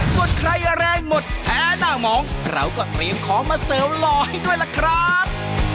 ส่วนใครแรงหมดแพ้หน้าหมองเราก็เตรียมของมาเสิร์ฟหล่อให้ด้วยล่ะครับ